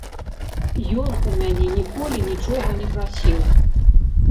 Ён у мяне ніколі нічога не прасіў!